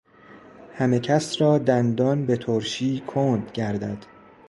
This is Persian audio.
همه کس را دندان بترشی کند گردد